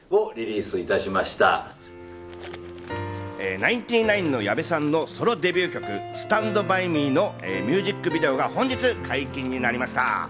ナインティナインの矢部さんのソロデビュー曲『スタンドバイミー』のミュージックビデオが本日解禁になりました。